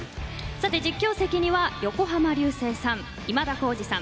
実況席には横浜流星さん、今田耕司さん